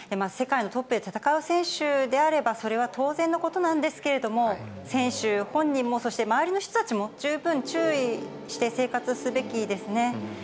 世界のトップで戦う選手であれば、それは当然のことなんですけれども、選手本人も、そして周りの人たちも十分注意して生活すべきですね。